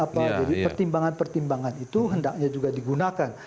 pertimbangan pertimbangan itu hendaknya juga digunakan